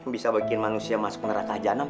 bisa bikin manusia masuk neraka janam